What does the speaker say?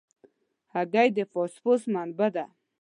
هګۍ د فاسفورس منبع ده.